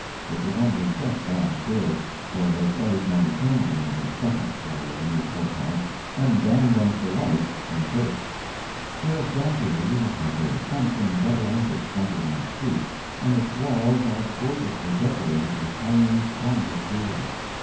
It was only just down stairs—for they save men eternally in the second story of the new court house, and damn them for life in the first. Sheriff Gasherie has a handsome double office fronting on the street, and its walls are gorgeously decorated with iron convict jewelry.